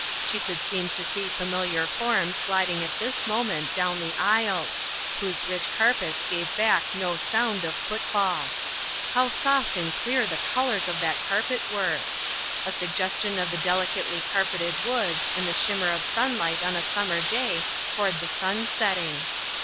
She could seem to see familiar forms gliding at this moment down the aisles, whose rich carpets gave back no sound of footfall. How soft and clear the colors of that carpet were ! A suggestion of the delicately carpeted woods, and the shimmer of sunlight on a summer day toward the sun setting.